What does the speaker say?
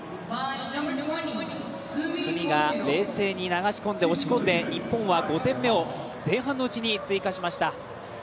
角が冷静に流し込んで押し込んで日本は５点目を前半のうちに追加しました。